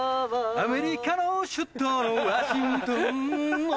アメリカの首都のワシントンも